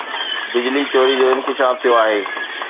بجلي چوري جو انڪشاف ٿيو آهي